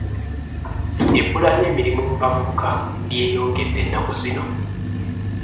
Ebbula ly'emirimu mu bavubuka lyeyongedde ennaku zino.